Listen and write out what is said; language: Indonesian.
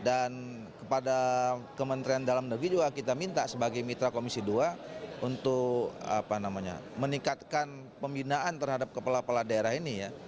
dan kepada kementerian dalam negeri juga kita minta sebagai mitra komisi dua untuk meningkatkan pembinaan terhadap kepala pala daerah ini